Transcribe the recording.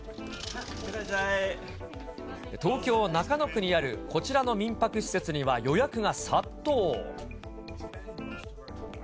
東京・中野区にあるこちらの民泊施設には予約が殺到。